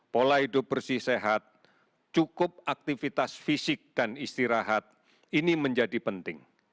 pola hidup bersih sehat cukup aktivitas fisik dan istirahat ini menjadi penting